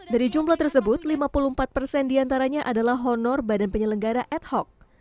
dari jumlah tersebut lima puluh empat persen diantaranya adalah honor badan penyelenggara ad hoc